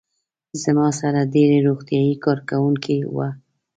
زما سره ډېری روغتیايي کارکوونکي وو.